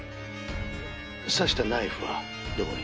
「刺したナイフはどこに？」